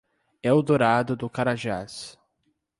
Eldorado do Carajás